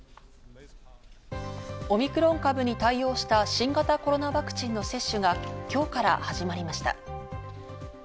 オミクロン株に対応した新型コロナワクチンの接種が今日から始まりました。